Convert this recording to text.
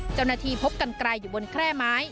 เจ้าหน้าที่พบกันไกลอยู่บนแคร่ไม้